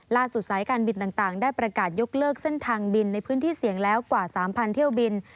สายการบินต่างได้ประกาศยกเลิกเส้นทางบินในพื้นที่เสี่ยงแล้วกว่า๓๐๐เที่ยวบิน